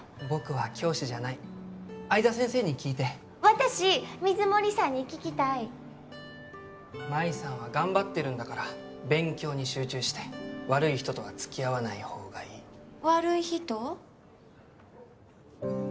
僕は教師じゃない相田先生に聞いて私水森さんに聞きたいマイさんは頑張ってるんだから勉強に集中して悪い人とは付き合わない方がいい悪い人？